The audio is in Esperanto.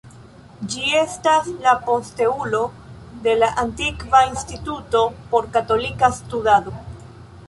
Ĝi estas la posteulo de la antikva Instituto por Katolika Studado.